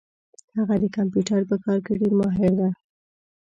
هغه د کمپیوټر په کار کي ډېر ماهر ده